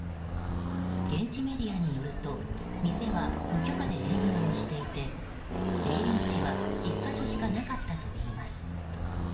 現地メディアによると店は無許可で営業をしていて出入り口は１か所しかなかったといいます。